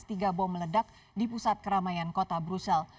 tiga bom meledak di pusat keramaian kota brussel